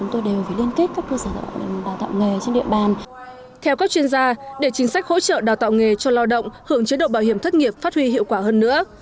theo các chuyên gia để chính sách hỗ trợ đào tạo nghề cho lao động hưởng chế độ bảo hiểm thất nghiệp phát huy hiệu quả hơn nữa